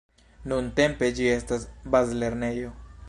Nuntempe ĝi estas bazlernejo.